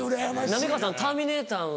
浪川さん『ターミネーター』。